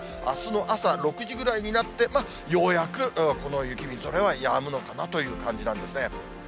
あすの朝６時ぐらいになって、ようやくこの雪、みぞれはやむのかなという感じなんですね。